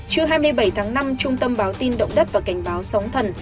trước hai mươi bảy tháng năm trung tâm báo tin động đất và cảnh báo sống thần